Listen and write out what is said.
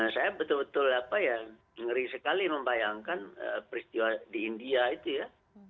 saya betul betul apa ya ngeri sekali membayangkan peristiwa di india itu ya